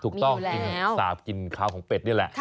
ถูกต้องกินสาบกินข้าวของเป็ดนี่แหละ